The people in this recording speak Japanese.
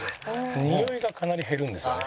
臭いがかなり減るんですよね。